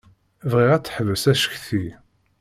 Bɣiɣ ad teḥbes acetki.